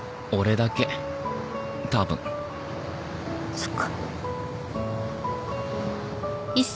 そっか。